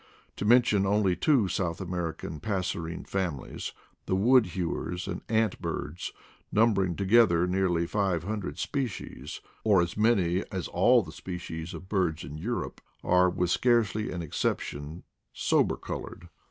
To mention only two South Ameri can passerine families, the woodhewers and ant birds, numbering together nearly five hundred species, or as many as all the species of birds in Europe, are with scarcely an exception sober colored.